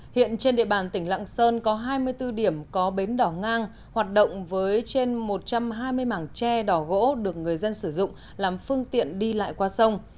hiện trên địa bàn tỉnh lạng sơn có hai mươi bốn điểm có bến đỏ ngang hoạt động với trên một trăm hai mươi mảng tre đỏ gỗ được người dân sử dụng làm phương tiện đi lại qua sông